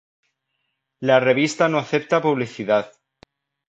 La revista no acepta publicidad.